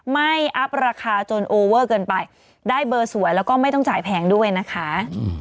อัพราคาจนโอเวอร์เกินไปได้เบอร์สวยแล้วก็ไม่ต้องจ่ายแพงด้วยนะคะ